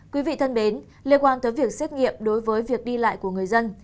quý vị thân mến liên quan tới việc xét nghiệm đối với việc đi lại của người dân